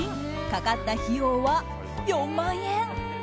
かかった費用は４万円。